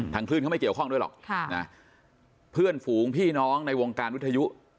คลื่นเขาไม่เกี่ยวข้องด้วยหรอกเพื่อนฝูงพี่น้องในวงการวิทยุ